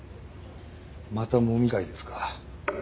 またもみ会ですか。